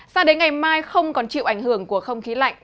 sao đến ngày mai không còn chịu ảnh hưởng của không khí lạnh